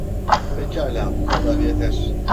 Pekala, bu kadar yeter!